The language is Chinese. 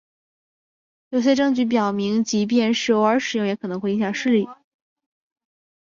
有些证据表明即便是偶尔使用也可能会影响视力。